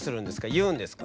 言うんですか？